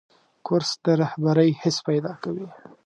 کورس د رهبرۍ حس پیدا کوي.